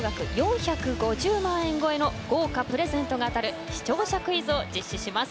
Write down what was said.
更に第１セット終わりには大会総額４５０万円超えの豪華プレゼントが当たる視聴者クイズを実施します。